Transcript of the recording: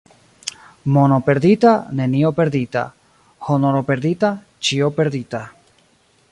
Mono perdita, nenio perdita; honoro perdita, ĉio perdita.